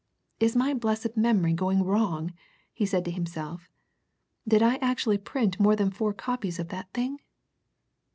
"Is my blessed memory going wrong?" he said to himself. "Did I actually print more than four copies of that thing!